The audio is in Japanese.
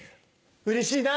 うれしいな。